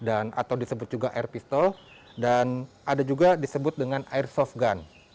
atau disebut juga air pistol dan ada juga disebut dengan airsoft gun